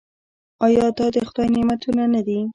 آیا دا د خدای نعمتونه نه دي؟